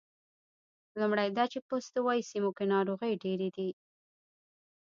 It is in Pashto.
لومړی دا چې په استوایي سیمو کې ناروغۍ ډېرې دي.